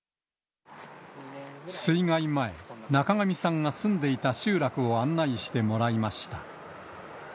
水害前、中神さんが住んでいた集落を案内してもらいました。